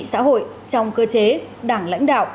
xã hội trong cơ chế đảng lãnh đạo